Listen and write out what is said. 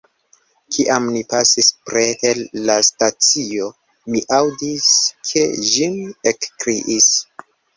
Kiam ni pasis preter la stacio, mi aŭdis, ke Jim ekkriis.